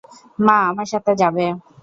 মা আমার সাথে যাবে।